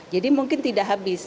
jadi mungkin tidak habis